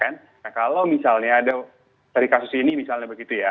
nah kalau misalnya ada dari kasus ini misalnya begitu ya